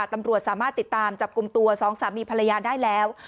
ตำรวจสามารถติดตามจับกลุ่มตัวสองสามีภรรยาได้แล้ว